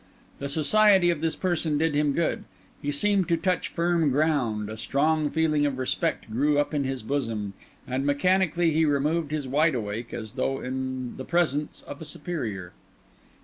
The society of this person did him good; he seemed to touch firm ground; a strong feeling of respect grew up in his bosom, and mechanically he removed his wideawake as though in the presence of a superior.